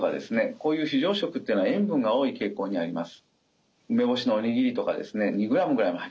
こういう非常食っていうのは塩分が多い傾向にあります。